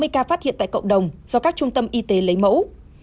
một trăm sáu mươi ca phát hiện tại cộng đồng do các trung tâm y tế lấy mẫu